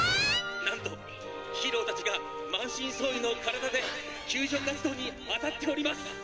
「なんとヒーローたちが満身創痍の体で救助活動に当たっております！」